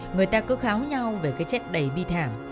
người ta cứ kháo nhau về cái chất đầy bi thảm